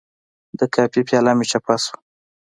د کافي پیاله مې چپه شوه.